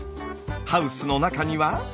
ハウスの中には。